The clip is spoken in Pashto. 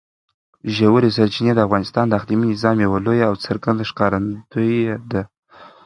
ژورې سرچینې د افغانستان د اقلیمي نظام یوه لویه او څرګنده ښکارندوی ده.